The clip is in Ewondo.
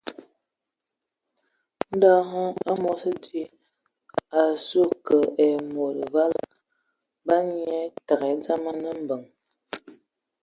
Ndɔ hm, amos di, a azu kə ai mod vala, ban nye təgə daŋ mbəŋ ngə abe.